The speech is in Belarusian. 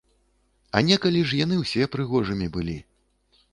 А некалі ж яны ўсе прыгожымі былі!